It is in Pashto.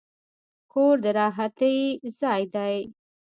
کور د راحتي ځای دی.